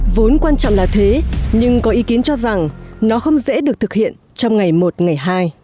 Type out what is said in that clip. vốn quan trọng là thế nhưng có ý kiến cho rằng nó không dễ được thực hiện trong ngày một ngày hai